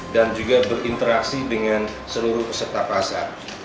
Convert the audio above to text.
dan juga berinteraksi dengan seluruh peserta pasar